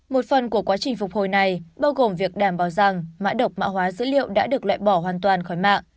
một phần của quá trình phục hồi này bao gồm việc đảm bảo rằng mã độc mạng hóa dữ liệu đã được loại bỏ hoàn toàn khỏi mạng